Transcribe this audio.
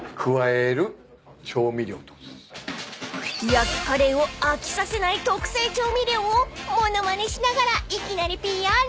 ［焼きカレーを飽きさせない特製調味料を物まねしながら］